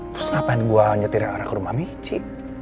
terus ngapain gue nyetirin arah ke rumah mici